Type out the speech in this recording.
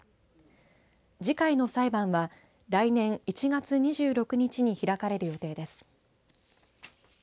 次回の裁判は来年１月２６日に開かれる予定です。